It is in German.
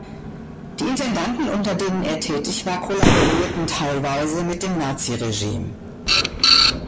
Die Intendanten, unter denen er tätig war, kollaborierten teilweise mit dem Naziregime.